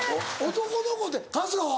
男の子って春日は？